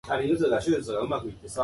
気にしたふりして逃げ出した